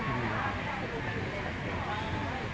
ทุกวันใหม่ทุกวันใหม่